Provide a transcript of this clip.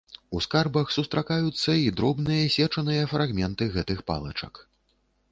У скарбах сустракаюцца і дробныя, сечаныя фрагменты гэтых палачак.